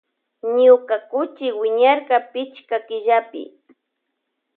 Ñuka kuchi wiñarka pichka killapilla.